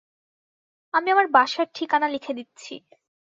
আমি আমার বাসার ঠিকানা লিখে দিচ্ছি।